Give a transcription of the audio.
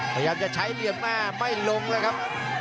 พยายามจะใช้เหลี่ยมแม่ไม่ลงเลยครับ